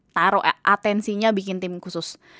taruh atensinya bikin tim khusus